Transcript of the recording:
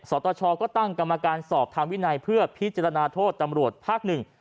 สตชก็ตั้งกรรมการสอบทางวินัยเพื่อพิจารณาโทษตำรวจภาคหนึ่ง